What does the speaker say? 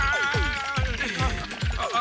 ああ！